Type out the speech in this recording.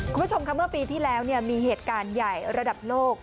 คุณผู้ชมค่ะเมื่อปีที่แล้วมีเหตุการณ์ใหญ่ระดับโลก